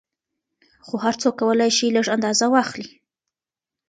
خو هر څوک کولای شي لږ اندازه واخلي.